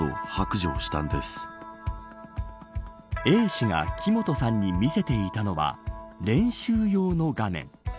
Ａ氏が木本さんに見せていたのは練習用の画面。